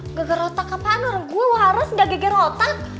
nggagar otak apaan orang gue waras gak geger otak